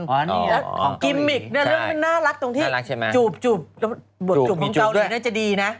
อ๋อตรงนี้ใช่น่ารักใช่ไหมจูบบทจูบของเกาหลีน่าจะดีนะ